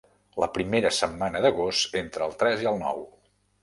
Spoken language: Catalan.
La primera setmana d'agost, entre el tres i el nou.